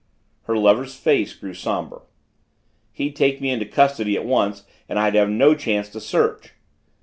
Her lover's face grew somber. "He'd take me into custody at once and I'd have no chance to search."